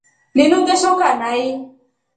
Linu ngeshoka nai.